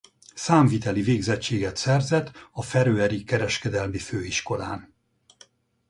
Számviteli végzettséget szerzett a feröeri kereskedelmi főiskolán.